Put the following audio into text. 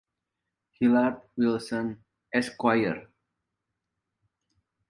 Hilliard Willson Esq.